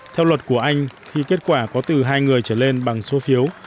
theo luật của anh khi kết quả có từ hai người trở lên bằng số phiếu